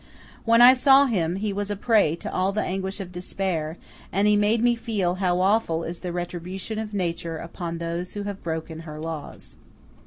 When I saw him he was a prey to all the anguish of despair, and he made me feel how awful is the retribution of nature upon those who have broken her laws.